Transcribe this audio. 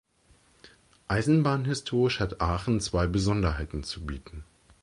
Eisenbahnhistorisch hat Aachen zwei Besonderheiten zu bieten.